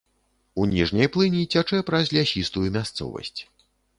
У ніжняй плыні цячэ праз лясістую мясцовасць.